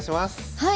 はい。